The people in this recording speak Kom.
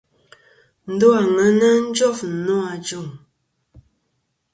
Ndo àŋena jof nô ajuŋ.